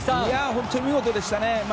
本当に見事でしたね。